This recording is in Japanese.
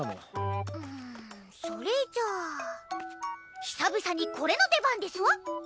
うんそれじゃあ久々にこれの出番ですわ。